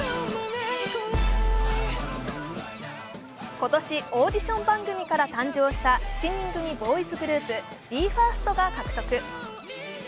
今年オーディション番組から誕生した７人組ボーイズグループ、ＢＥ：ＦＩＲＳＴが獲得。